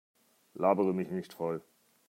Labere mich nicht voll!